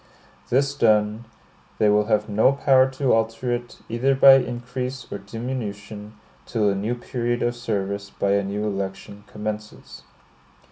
This done, they will have no power to alter it, either by increase or diminution, till a new period of service by a new election commences.